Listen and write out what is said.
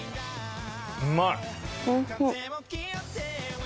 うまい。